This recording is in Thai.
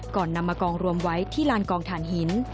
นำมากองรวมไว้ที่ลานกองฐานหิน